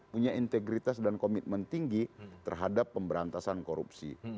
punya integritas dan komitmen tinggi terhadap pemberantasan korupsi